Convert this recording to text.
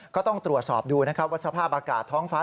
ก็ต้องตรวจสอบดูนะครับว่าสภาพอากาศท้องฟ้า